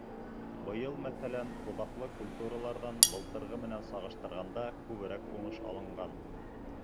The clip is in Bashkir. Быйыл, мәҫәлән, ҡуҙаҡлы культураларҙан былтырғы менән сағыштырғанда күберәк уңыш алынған.